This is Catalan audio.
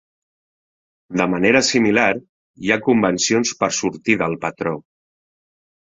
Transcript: De manera similar, hi ha convencions per sortir del patró.